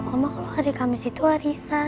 ya rumah kamu hari kamis itu warisan